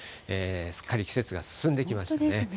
すっかり季節が進んできましたね。